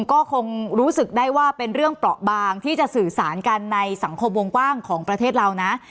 ก็คงรู้สึกได้ว่าเป็นเรื่องเปราะบางที่จะสื่อสารกันในสังคมวงกว้างของประเทศเรานะ